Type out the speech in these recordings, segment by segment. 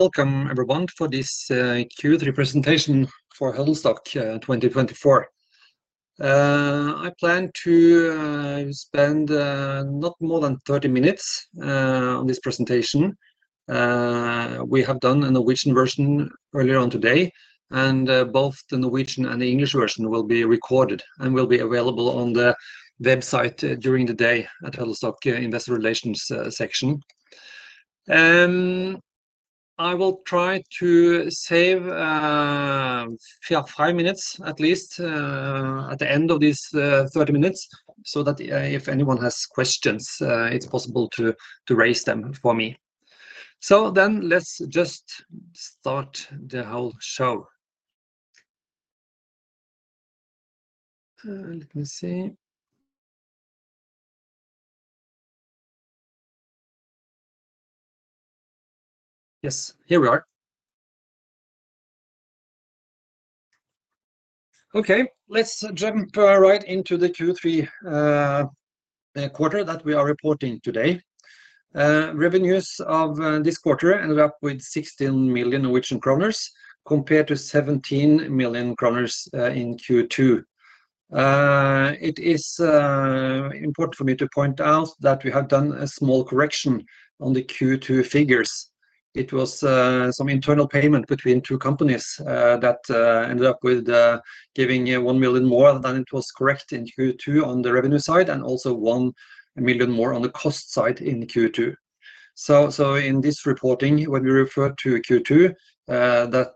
Welcome, everyone, for this Q3 presentation for Huddlestock 2024. I plan to spend not more than 30 minutes on this presentation. We have done a Norwegian version earlier on today, and both the Norwegian and the English version will be recorded and will be available on the website during the day at Huddlestock Investor Relations section. I will try to save five minutes at least at the end of these 30 minutes so that if anyone has questions, it's possible to raise them for me. So then let's just start the whole show. Let me see. Yes, here we are. Okay, let's jump right into the Q3 quarter that we are reporting today. Revenues of this quarter ended up with 16 million Norwegian kroner compared to 17 million kroner in Q2. It is important for me to point out that we have done a small correction on the Q2 figures. It was some internal payment between two companies that ended up with giving one million more than it was correct in Q2 on the revenue side and also one million more on the cost side in Q2. So in this reporting, when we refer to Q2, that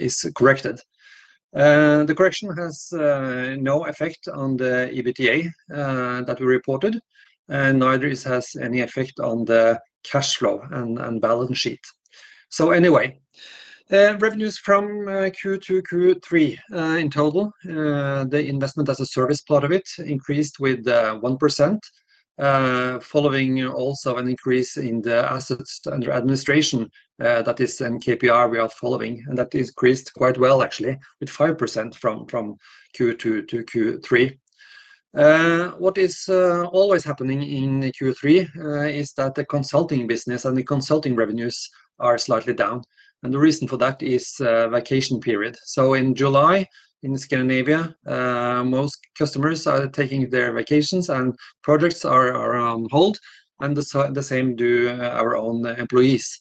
is corrected. The correction has no effect on the EBITDA that we reported, and neither has any effect on the cash flow and balance sheet. So anyway, revenues from Q2 to Q3 in total, the investment as a service part of it increased with 1%, following also an increase in the assets under administration that is the KPI we are following, and that increased quite well actually with 5% from Q2 to Q3. What is always happening in Q3 is that the consulting business and the consulting revenues are slightly down, and the reason for that is vacation period. So in July in Scandinavia, most customers are taking their vacations and projects are on hold, and the same do our own employees.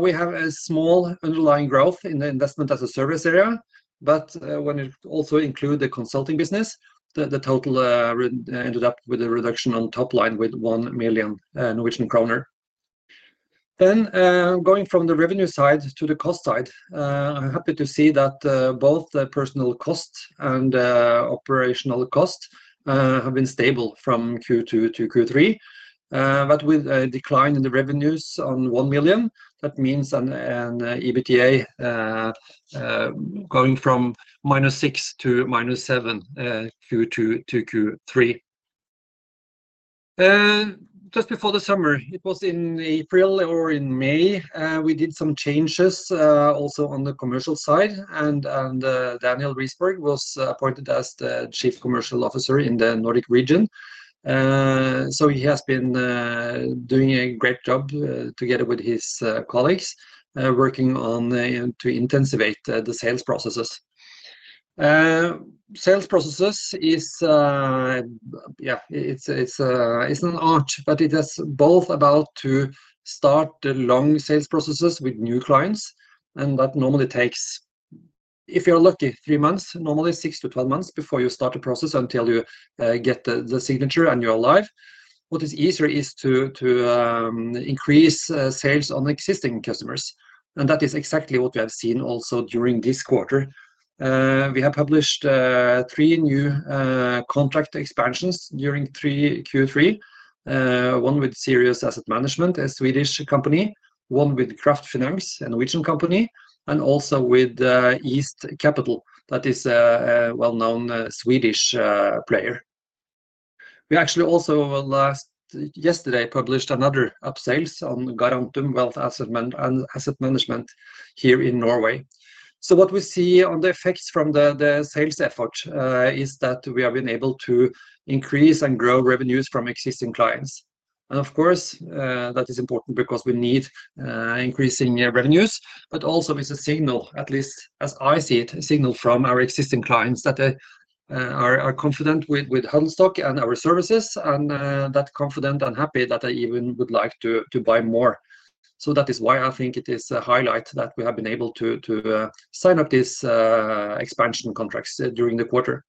We have a small underlying growth in the investment as a service area, but when you also include the consulting business, the total ended up with a reduction on top line with 1 million Norwegian kroner. Then going from the revenue side to the cost side, I'm happy to see that both the personnel cost and operational cost have been stable from Q2 to Q3, but with a decline in the revenues on 1 million NOK, that means an EBITDA going from minus six to minus seven Q2 to Q3. Just before the summer, it was in April or in May, we did some changes also on the commercial side, and Daniel Risberg was appointed as the Chief Commercial Officer in the Nordic region. He has been doing a great job together with his colleagues working on intensifying the sales processes. Sales processes is, yeah, it's an art, but it is both about to start the long sales processes with new clients, and that normally takes, if you're lucky, three months, normally six to 12 months before you start the process until you get the signature and you're live. What is easier is to increase sales on existing customers, and that is exactly what we have seen also during this quarter. We have published three new contract expansions during Q3, one with Sirius Asset Management, a Swedish company, one with Kraft Finans, a Norwegian company, and also with East Capital, that is a well-known Swedish player. We actually also last yesterday published another upsell on Garantum Wealth Management here in Norway. So what we see on the effects from the sales effort is that we have been able to increase and grow revenues from existing clients. And of course, that is important because we need increasing revenues, but also it's a signal, at least as I see it, a signal from our existing clients that are confident with Huddlestock and our services, and they're confident and happy that they even would like to buy more. So that is why I think it is a highlight that we have been able to sign up these expansion contracts during the quarter.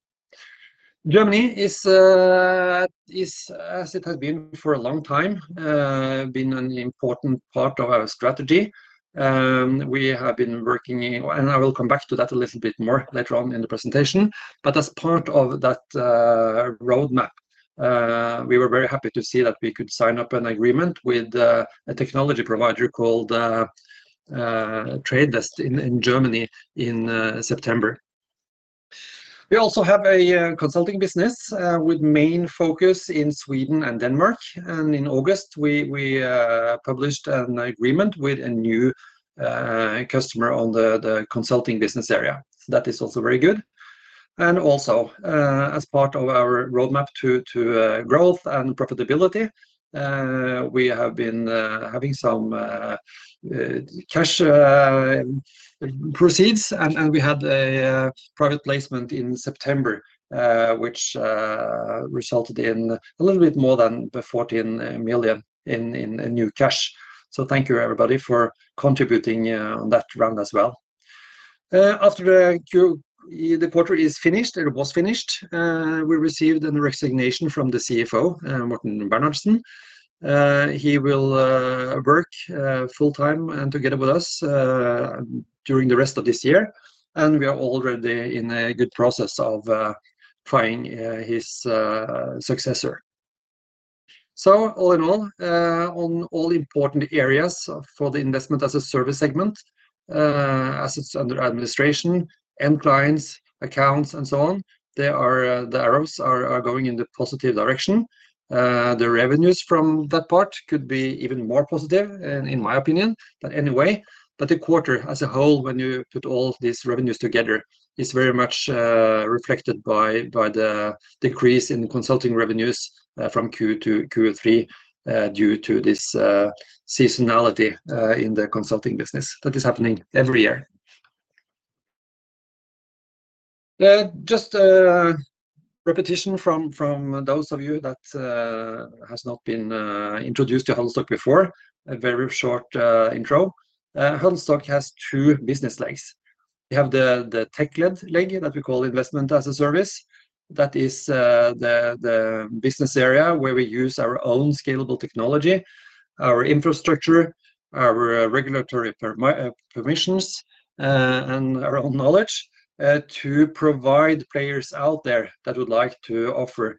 Germany is, as it has been for a long time, an important part of our strategy. We have been working, and I will come back to that a little bit more later on in the presentation, but as part of that roadmap, we were very happy to see that we could sign up an agreement with a technology provider called TradeVest in Germany in September. We also have a consulting business with main focus in Sweden and Denmark, and in August we published an agreement with a new customer on the consulting business area. That is also very good, and also, as part of our roadmap to growth and profitability, we have been having some cash proceeds, and we had a private placement in September, which resulted in a little bit more than 14 million NOK in new cash, so thank you everybody for contributing on that round as well. After the quarter is finished, we received a resignation from the CFO, Morten Bernardsen. He will work full-time and together with us during the rest of this year, and we are already in a good process of finding his successor. So all in all, on all important areas for the investment as a service segment, assets under administration, end clients, accounts, and so on, the arrows are going in the positive direction. The revenues from that part could be even more positive, in my opinion, but anyway, but the quarter as a whole, when you put all these revenues together, is very much reflected by the decrease in consulting revenues from Q2 to Q3 due to this seasonality in the consulting business that is happening every year. Just a repetition from those of you that have not been introduced to Huddlestock before, a very short intro. Huddlestock has two business legs. We have the tech-led leg that we call investment as a service. That is the business area where we use our own scalable technology, our infrastructure, our regulatory permissions, and our own knowledge to provide players out there that would like to offer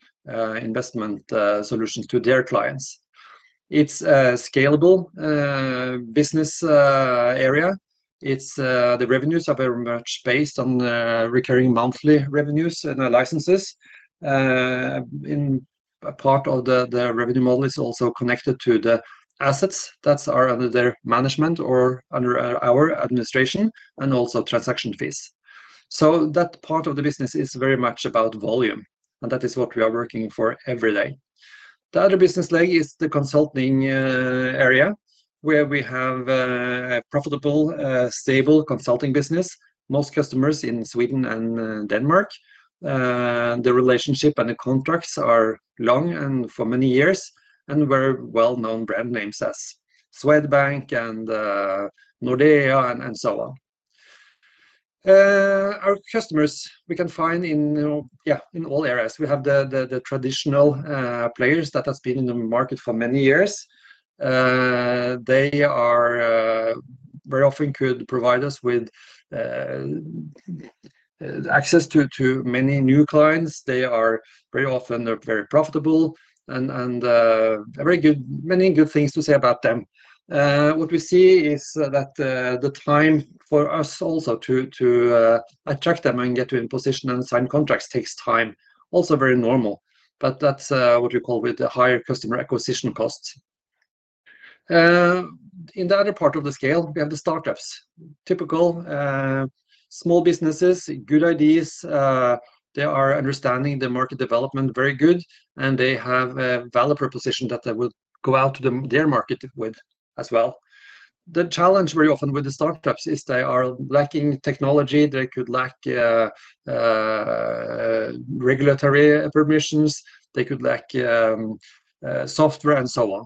investment solutions to their clients. It's a scalable business area. The revenues are very much based on recurring monthly revenues and licenses. Part of the revenue model is also connected to the assets that are under their management or under our administration and also transaction fees. So that part of the business is very much about volume, and that is what we are working for every day. The other business leg is the consulting area where we have a profitable, stable consulting business. Most customers in Sweden and Denmark. The relationship and the contracts are long and for many years and were well-known brand names as Swedbank and Nordea and so on. Our customers, we can find in all areas. We have the traditional players that have been in the market for many years. They very often could provide us with access to many new clients. They are very often very profitable and have many good things to say about them. What we see is that the time for us also to attract them and get to in position and sign contracts takes time, also very normal, but that's what we call with the higher customer acquisition costs. In the other part of the scale, we have the startups. Typical small businesses, good ideas. They are understanding the market development very good, and they have a valid proposition that they would go out to their market with as well. The challenge very often with the startups is they are lacking technology. They could lack regulatory permissions. They could lack software and so on,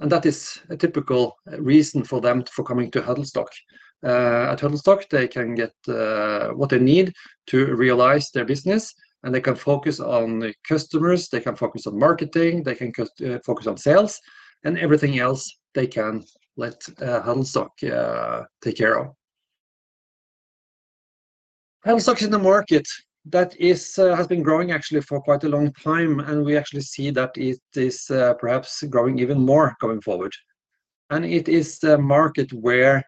and that is a typical reason for them coming to Huddlestock. At Huddlestock, they can get what they need to realize their business, and they can focus on customers. They can focus on marketing. They can focus on sales, and everything else they can let Huddlestock take care of. Huddlestock is in the market that has been growing actually for quite a long time, and we actually see that it is perhaps growing even more going forward, and it is a market where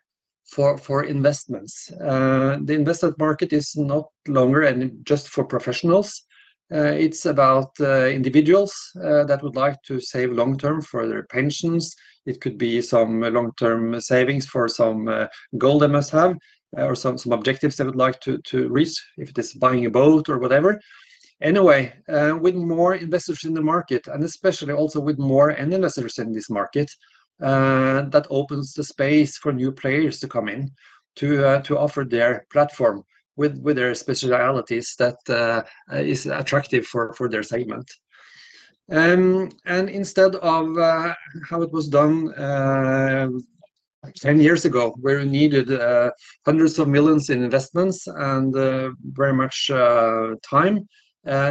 for investments, the investment market is no longer just for professionals. It's about individuals that would like to save long-term for their pensions. It could be some long-term savings for some goal they must have or some objectives they would like to reach if it is buying a boat or whatever. Anyway, with more investors in the market, and especially also with more end investors in this market, that opens the space for new players to come in to offer their platform with their specialties that is attractive for their segment. And instead of how it was done 10 years ago where we needed hundreds of millions in investments and very much time,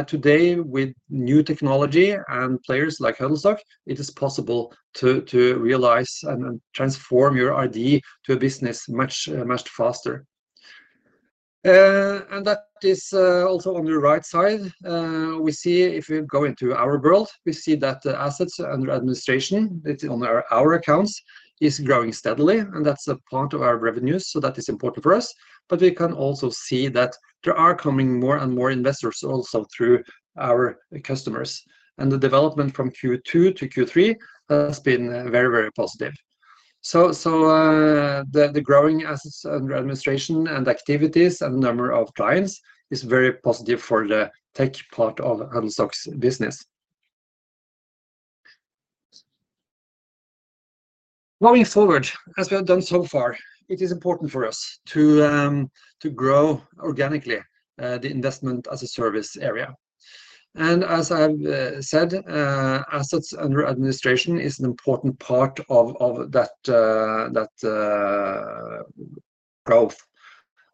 today with new technology and players like Huddlestock, it is possible to realize and transform your idea to a business much faster. And that is also on the right side. We see if we go into our world, we see that the assets under administration, it's on our accounts, is growing steadily, and that's a part of our revenues, so that is important for us. But we can also see that there are coming more and more investors also through our customers. The development from Q2 to Q3 has been very, very positive. So the growing assets under administration and activities and the number of clients is very positive for the tech part of Huddlestock's business. Going forward, as we have done so far, it is important for us to grow organically the investment as a service area. As I've said, assets under administration is an important part of that growth.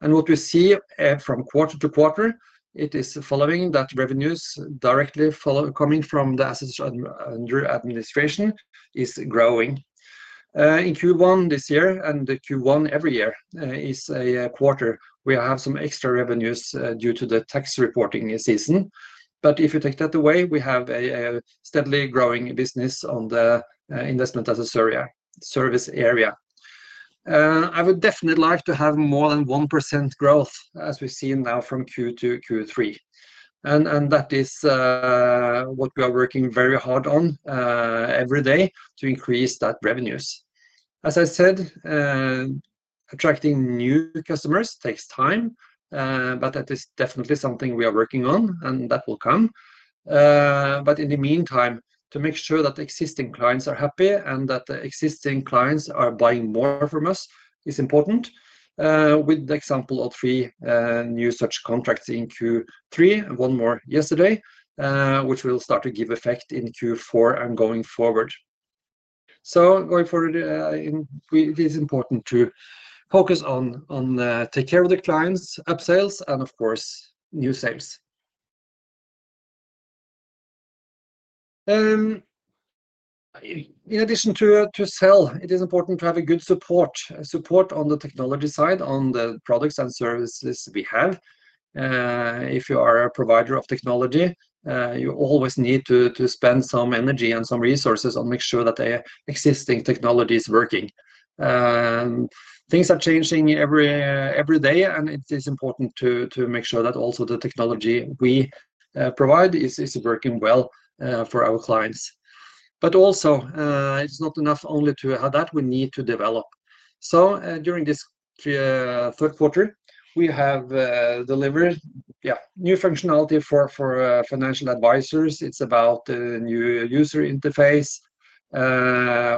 What we see from quarter to quarter, it is following that revenues directly coming from the assets under administration is growing. In Q1 this year and Q1 every year is a quarter we have some extra revenues due to the tax reporting season. If you take that away, we have a steadily growing business on the investment as a service area. I would definitely like to have more than one% growth as we've seen now from Q2 to Q3, and that is what we are working very hard on every day to increase that revenues. As I said, attracting new customers takes time, but that is definitely something we are working on, and that will come, but in the meantime, to make sure that existing clients are happy and that the existing clients are buying more from us is important with the example of three new such contracts in Q3, one more yesterday, which will start to give effect in Q4 and going forward, so going forward, it is important to focus on take care of the clients, upsales, and of course new sales. In addition to sell, it is important to have a good support, support on the technology side on the products and services we have. If you are a provider of technology, you always need to spend some energy and some resources on making sure that the existing technology is working. Things are changing every day, and it is important to make sure that also the technology we provide is working well for our clients. But also, it's not enough only to have that. We need to develop. So during this third quarter, we have delivered new functionality for financial advisors. It's about the new user interface.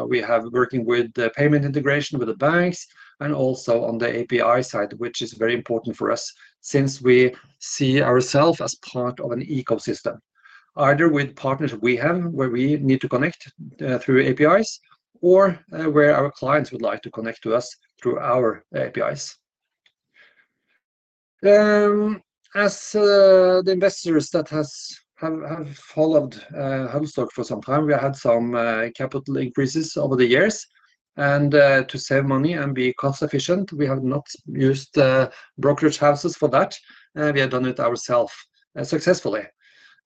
We have been working with the payment integration with the banks and also on the API side, which is very important for us since we see ourselves as part of an ecosystem, either with partners we have where we need to connect through APIs or where our clients would like to connect to us through our APIs. As the investors that have followed Huddlestock for some time, we have had some capital increases over the years. And to save money and be cost-efficient, we have not used brokerage houses for that. We have done it ourselves successfully.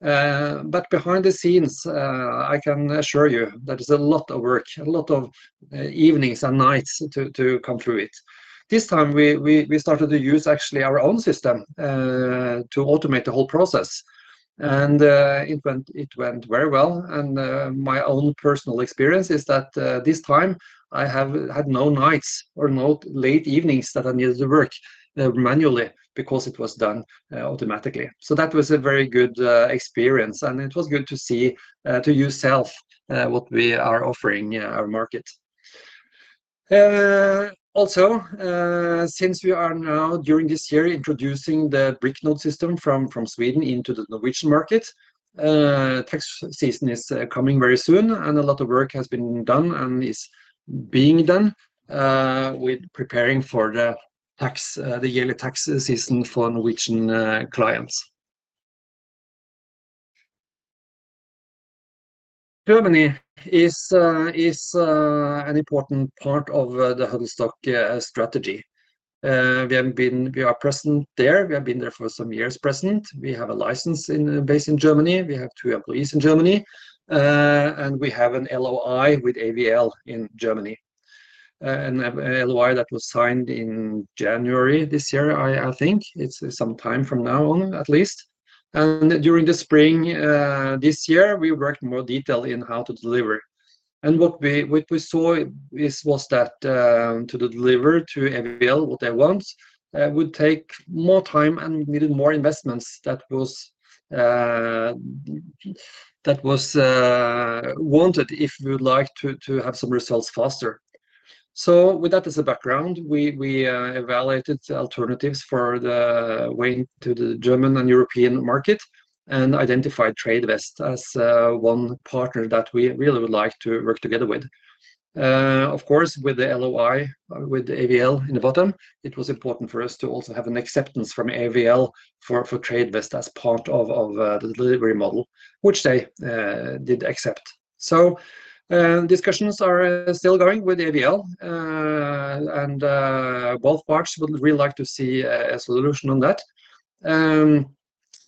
But behind the scenes, I can assure you that it's a lot of work, a lot of evenings and nights to come through it. This time, we started to use actually our own system to automate the whole process. And it went very well. And my own personal experience is that this time, I have had no nights or no late evenings that I needed to work manually because it was done automatically. So that was a very good experience, and it was good to see to yourself what we are offering our market. Also, since we are now during this year introducing the Bricknode system from Sweden into the Norwegian market, tax season is coming very soon, and a lot of work has been done and is being done with preparing for the yearly tax season for Norwegian clients. Germany is an important part of the Huddlestock strategy. We are present there. We have been there for some years. We have a license based in Germany. We have two employees in Germany, and we have an LOI with AVL in Germany. An LOI that was signed in January this year, I think it's some time from now on at least. And during the spring this year, we worked in more detail in how to deliver. What we saw was that to deliver to AVL, what they want would take more time and needed more investments that was wanted if we would like to have some results faster. With that as a background, we evaluated alternatives for the way to the German and European market and identified TradeVest as one partner that we really would like to work together with. Of course, with the LOI with AVL in the bottom, it was important for us to also have an acceptance from AVL for TradeVest as part of the delivery model, which they did accept. Discussions are still going with AVL, and both parties would really like to see a solution on that.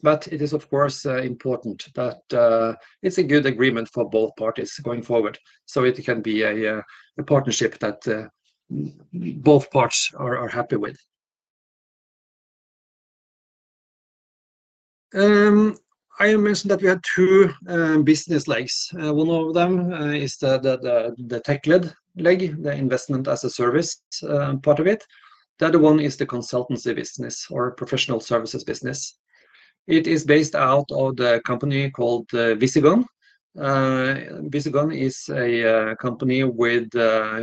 It is, of course, important that it's a good agreement for both parties going forward so it can be a partnership that both parties are happy with. I mentioned that we had two business legs. One of them is the tech-led leg, the investment as a service part of it. The other one is the consultancy business or professional services business. It is based out of the company called Visigon. Visigon is a company with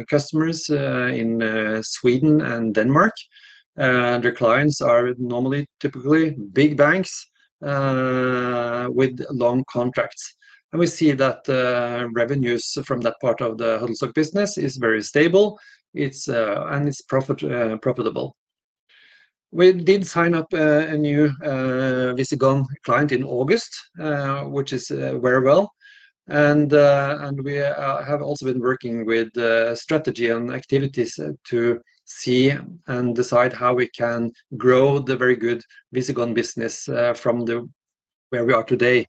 customers in Sweden and Denmark. Their clients are normally, typically big banks with long contracts. And we see that revenues from that part of the Huddlestock business is very stable and it's profitable. We did sign up a new Visigon client in August, which is very well. And we have also been working with strategy and activities to see and decide how we can grow the very good Visigon business from where we are today.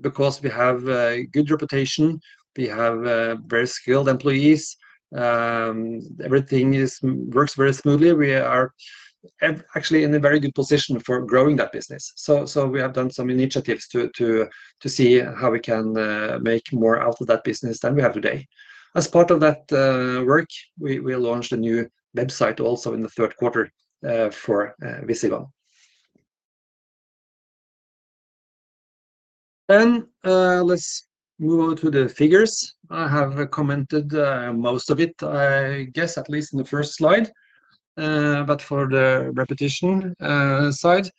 Because we have a good reputation, we have very skilled employees, everything works very smoothly, we are actually in a very good position for growing that business. So we have done some initiatives to see how we can make more out of that business than we have today. As part of that work, we launched a new website also in the third quarter for Visigon. Then let's move on to the figures. I have commented most of it, I guess at least in the first slide. But for the repetition side,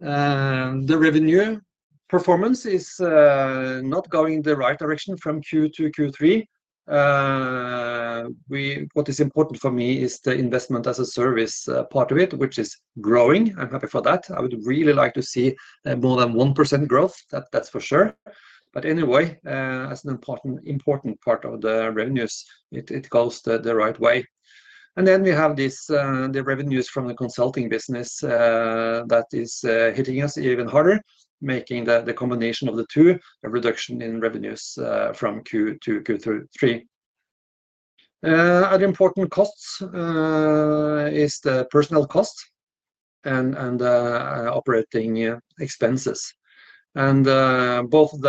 the revenue performance is not going the right direction from Q2 to Q3. What is important for me is the investment as a service part of it, which is growing. I'm happy for that. I would really like to see more than 1% growth, that's for sure. But anyway, as an important part of the revenues, it goes the right way. And then we have the revenues from the consulting business that is hitting us even harder, making the combination of the two a reduction in revenues from Q2 to Q3. Other important costs is the personnel cost and operating expenses. And both of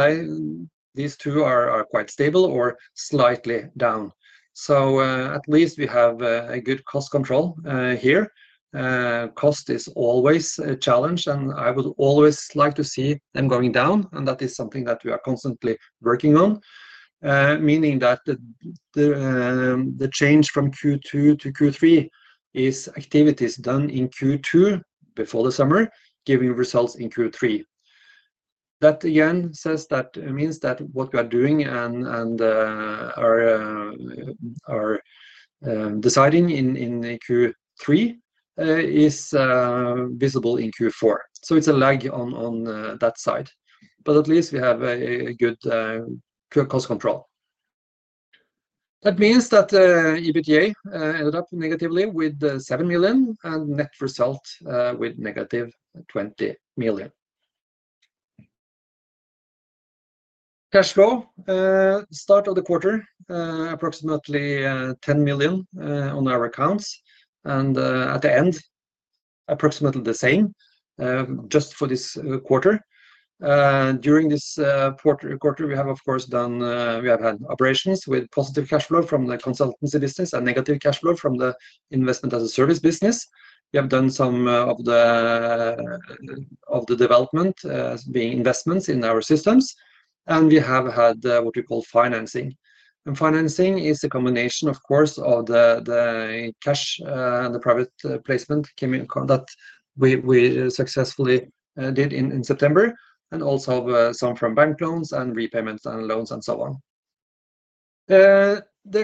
these two are quite stable or slightly down. So at least we have a good cost control here. Cost is always a challenge, and I would always like to see them going down, and that is something that we are constantly working on. Meaning that the change from Q2 to Q3 is activities done in Q2 before the summer giving results in Q3. That again means that what we are doing and are deciding in Q3 is visible in Q4. So it's a lag on that side. But at least we have a good cost control. That means that EBITDA ended up negatively with 7 million and net result with negative 20 million. Cash flow, start of the quarter, approximately 10 million on our accounts, and at the end, approximately the same just for this quarter. During this quarter, we have, of course, had operations with positive cash flow from the consultancy business and negative cash flow from the investment as a service business. We have done some of the development being investments in our systems, and we have had what we call financing. And financing is a combination, of course, of the cash and the private placement that we successfully did in September, and also some from bank loans and repayments and loans and so on. The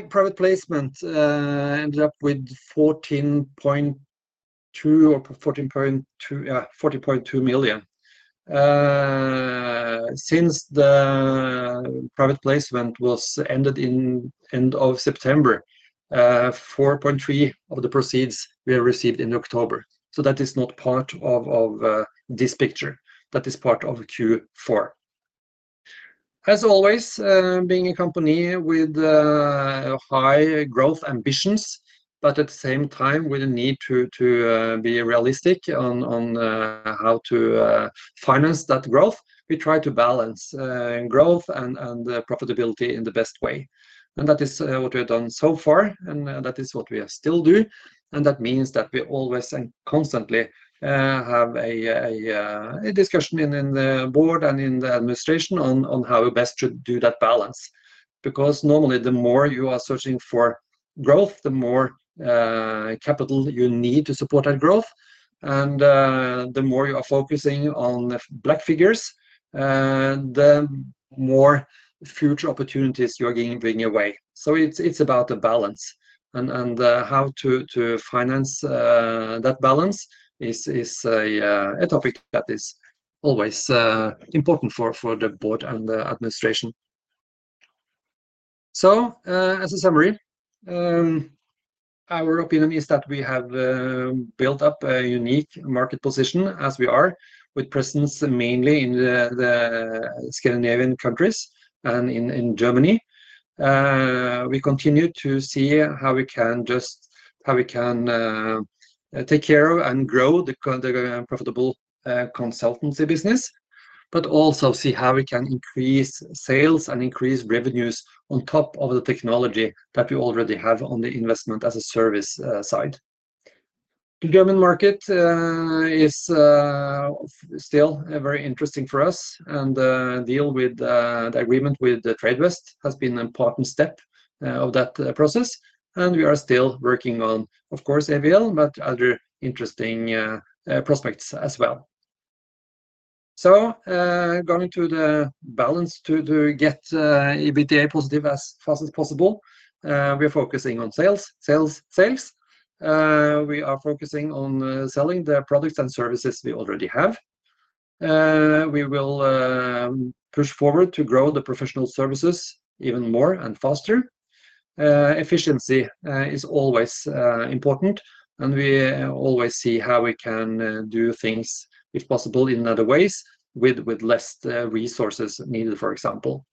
private placement ended up with 14.2 million. Since the private placement ended at the end of September, 4.3 million of the proceeds we received in October. So that is not part of this picture. That is part of Q4. As always, being a company with high growth ambitions, but at the same time with a need to be realistic on how to finance that growth, we try to balance growth and profitability in the best way. And that is what we have done so far, and that is what we still do. And that means that we always and constantly have a discussion in the board and in the administration on how we best should do that balance. Because normally, the more you are searching for growth, the more capital you need to support that growth. And the more you are focusing on the black figures, the more future opportunities you are bringing away. It's about the balance. How to finance that balance is a topic that is always important for the board and the administration. As a summary, our opinion is that we have built up a unique market position as we are with presence mainly in the Scandinavian countries and in Germany. We continue to see how we can take care of and grow the profitable consultancy business, but also see how we can increase sales and increase revenues on top of the technology that we already have on the investment as a service side. The German market is still very interesting for us, and deal with the agreement with TradeVest has been an important step of that process. We are still working on, of course, AVL, but other interesting prospects as well. So, going to the balance sheet to get EBITDA positive as fast as possible, we are focusing on sales, sales, sales. We are focusing on selling the products and services we already have. We will push forward to grow the professional services even more and faster. Efficiency is always important, and we always see how we can do things if possible in other ways with less resources needed, for example.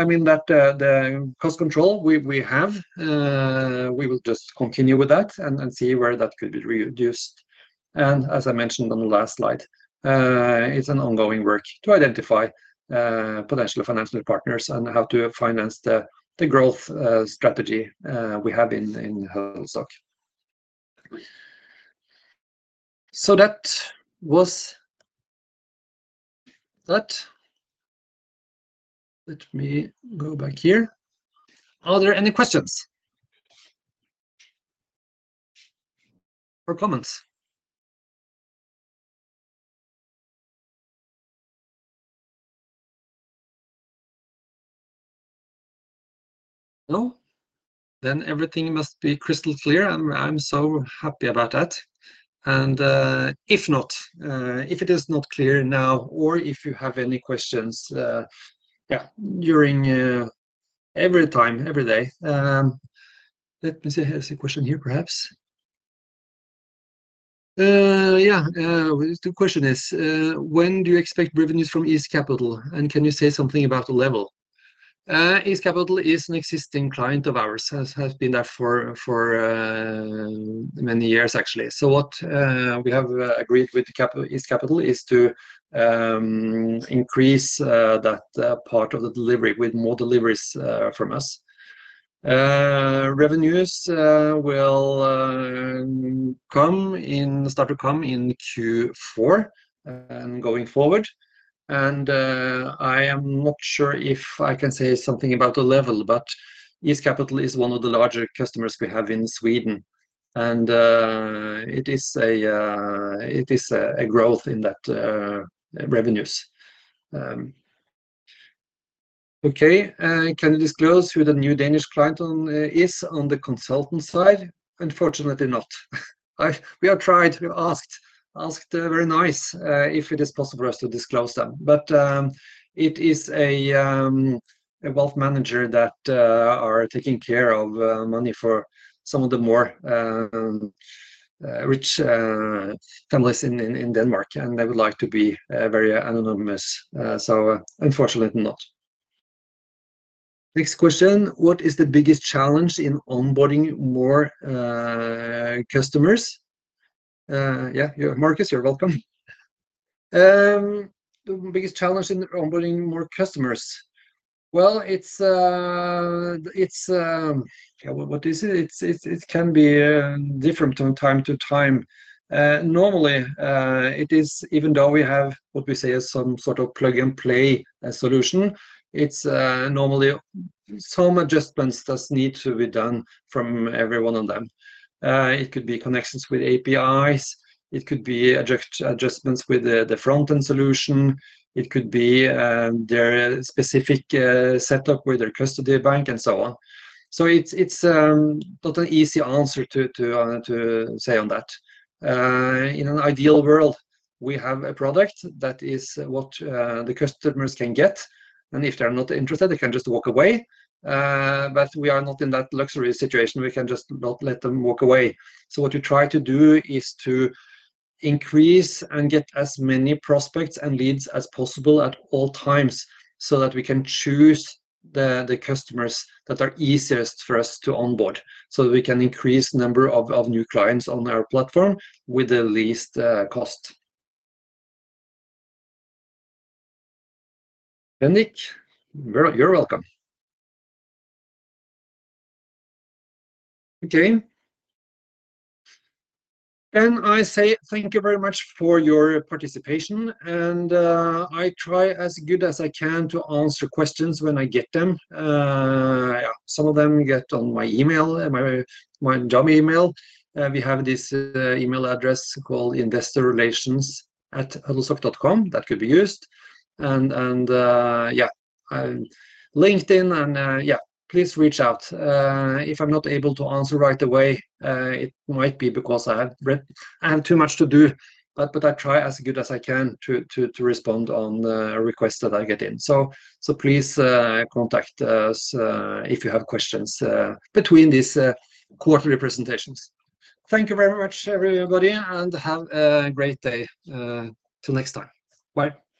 I mean that the cost control we have, we will just continue with that and see where that could be reduced. And as I mentioned on the last slide, it's an ongoing work to identify potential financial partners and how to finance the growth strategy we have in Huddlestock. So that was that. Let me go back here. Are there any questions or comments? No? Then everything must be crystal clear, and I'm so happy about that. If it is not clear now, or if you have any questions, yeah, during every time, every day. Let me see if there's a question here, perhaps. Yeah, the question is, when do you expect revenues from East Capital? And can you say something about the level? East Capital is an existing client of ours, has been there for many years, actually. So what we have agreed with East Capital is to increase that part of the delivery with more deliveries from us. Revenues will start to come in Q4 and going forward. And I am not sure if I can say something about the level, but East Capital is one of the larger customers we have in Sweden. And it is a growth in that revenues. Okay, can you disclose who the new Danish client is on the consultant side? Unfortunately, not. We have tried. We asked very nice if it is possible for us to disclose them. But it is a wealth manager that are taking care of money for some of the more rich families in Denmark, and they would like to be very anonymous. So unfortunately, not. Next question, what is the biggest challenge in onboarding more customers? Yeah, Marcus, you're welcome. The biggest challenge in onboarding more customers? Well, it's, yeah, what is it? It can be different from time to time. Normally, it is, even though we have what we say is some sort of plug-and-play solution, it's normally some adjustments that need to be done from every one of them. It could be connections with APIs. It could be adjustments with the front-end solution. It could be their specific setup with their custody bank and so on. It's not an easy answer to say on that. In an ideal world, we have a product that is what the customers can get. And if they're not interested, they can just walk away. But we are not in that luxury situation. We can just not let them walk away. So what we try to do is to increase and get as many prospects and leads as possible at all times so that we can choose the customers that are easiest for us to onboard so that we can increase the number of new clients on our platform with the least cost. Bendk, you're welcome. Okay. And I say thank you very much for your participation. And I try as good as I can to answer questions when I get them. Yeah, some of them get on my email, my job email. We have this email address called investorrelations@Huddlestock.com that could be used. And yeah, LinkedIn and yeah, please reach out. If I'm not able to answer right away, it might be because I have too much to do. But I try as good as I can to respond on requests that I get in. So please contact us if you have questions between these quarterly presentations. Thank you very much, everybody, and have a great day. Until next time. Bye.